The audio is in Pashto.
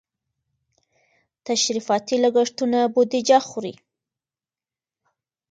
تشریفاتي لګښتونه بودیجه خوري.